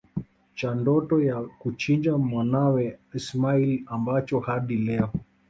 cha ndoto ya kuchinja mwanawe ismail ambacho hadi Leo